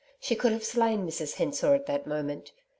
She could have slain Mrs Hensor at that moment.